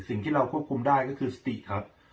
สิ่งที่เราควบคุมได้ก็คือสติครับ